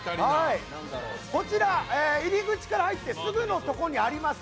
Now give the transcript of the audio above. こちら、入り口から入ってすぐのところにあります